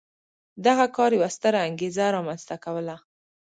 دغه کار یوه ستره انګېزه رامنځته کوله.